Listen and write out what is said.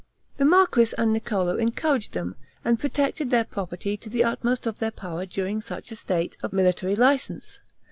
The marquis and Niccolo encouraged them, and protected their property to the utmost of their power during such a state of military license.